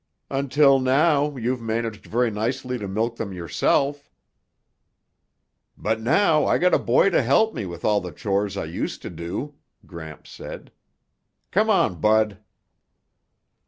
"Until now you've managed very nicely to milk them yourself." "But now I got a boy to help me with all the chores I used to do," Gramps said. "C'mon, Bud."